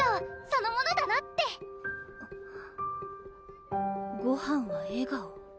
そのものだなって「ごはんは笑顔」？